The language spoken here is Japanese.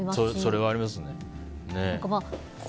それはありますね。